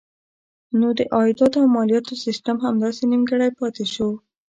نو د عایداتو او مالیاتو سیسټم همداسې نیمګړی پاتې شو.